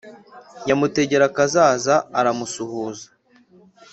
Nyamutegerakazaza aramusuhuza,